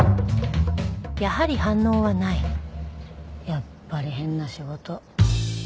やっぱり変な仕事。